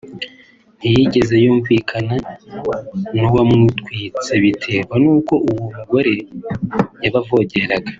ntiyigeze yumvikana n’uwamutwitse biterwa n’uko uwo mugore yabavogeraga